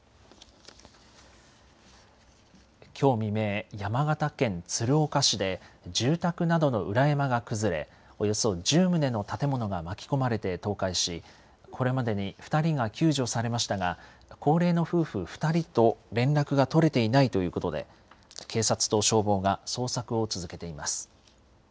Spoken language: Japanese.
きょう未明、山形県鶴岡市で、住宅などの裏山が崩れ、およそ１０棟の建物が巻き込まれて倒壊し、これまでに２人が救助されましたが、高齢の夫婦２人と連絡が取れていないということで、警察と消防が捜索を続けています。